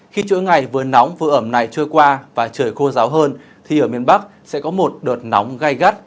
khi chuỗi ngày vừa nóng vừa ẩm này trôi qua và trời khô ráo hơn thì ở miền bắc sẽ có một đợt nóng gai gắt